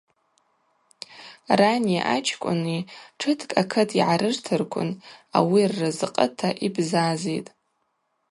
Рани ачкӏвыни тшыткӏ акыт йгӏарыртырквын ауи ррызкъыта йбзазитӏ.